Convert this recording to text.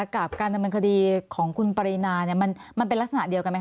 กับการดำเนินคดีของคุณปรินามันเป็นลักษณะเดียวกันไหมค